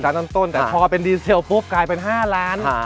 ต้นแต่พอเป็นดีเซลปุ๊บกลายเป็น๕ล้าน